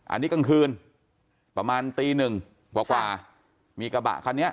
อันนี้กลางคืนประมาณตีหนึ่งกว่ามีกระบะคันนี้